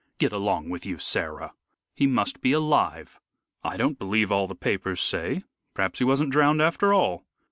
"Get along with you, Sarah! He must be alive. I don't believe all the papers say. Perhaps he wasn't drowned after all."